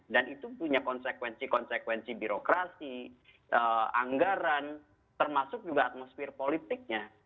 dan itu punya konsekuensi konsekuensi birokrasi anggaran termasuk juga atmosfer politiknya